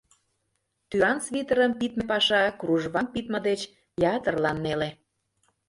— Тӱран свитерым пидме паша кружвам пидме деч ятырлан неле.